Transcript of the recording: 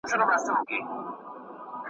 هر وخت دي له غیږي دبریا ږغ پورته سوی